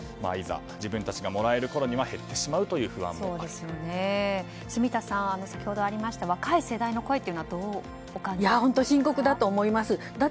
いざ自分たちがもらえるころには減ってしまうという住田さん、先ほどありました若い世代の声というのはどうお感じになりますか？